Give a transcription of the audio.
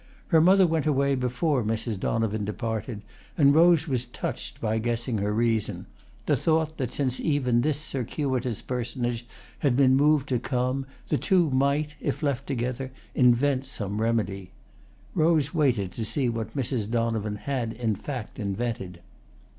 Her mother went away before Mrs. Donovan departed, and Rose was touched by guessing her reason—the thought that since even this circuitous personage had been moved to come, the two might, if left together, invent some remedy. Rose waited to see what Mrs. Donovan had in fact invented.